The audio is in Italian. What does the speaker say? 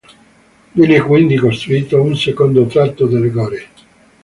Viene quindi costruito un secondo tratto delle gore.